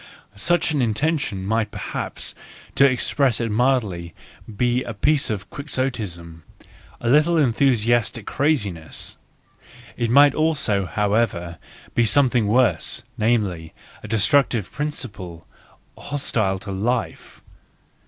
Such an intention might perhaps, to express it mildly, be a piece of Quixotism, a little enthusiastic craziness; it might also, however, be something worse, namely, a destructive principle, hostile to life.